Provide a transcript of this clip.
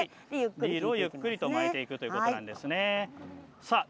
リードをゆっくりと巻いていくということなんですね。